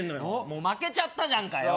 もう負けちゃったじゃんかよ